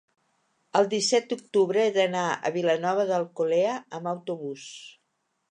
El disset d'octubre he d'anar a Vilanova d'Alcolea amb autobús.